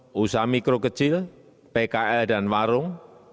untuk usaha mikro kecil pkl dan warung